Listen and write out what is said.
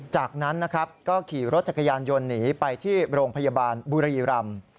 จากนั้นนะครับก็ขี่รถจักรยานยนต์หนีไปที่โรงพยาบาลบุรีรำ